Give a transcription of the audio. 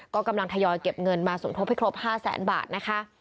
ก็กำลังทยอยเก็บเงินมาสมทบให้ครบ๕แสนบาทนะคะ